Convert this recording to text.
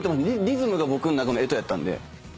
リズムが僕の中の干支やったんで。